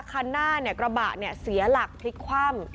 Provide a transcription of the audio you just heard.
คันหน้าเนี่ยกระบะเนี่ยเสียหลักพลิกคว่ำ